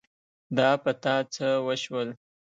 دا په تا څه وشول ؟